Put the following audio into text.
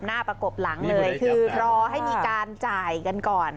ประกบหลังเลยคือรอให้มีการจ่ายกันก่อน